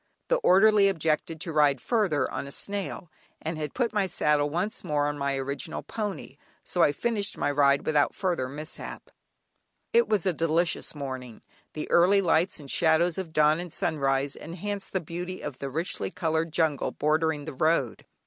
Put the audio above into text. The orderly objected to ride further on a snail, and had put my saddle once more on my original pony, so I finished my ride without further mishap. It was a delicious morning; the early lights and shadows of dawn and sunrise enhanced the beauty of the richly coloured jungle bordering the road.